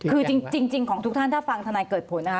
คือจริงของทุกท่านถ้าฟังธนายเกิดผลนะคะ